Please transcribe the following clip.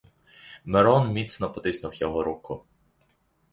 Мирон міцно потиснув його руку.